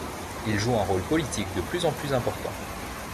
Il joue un rôle politique de plus en plus important.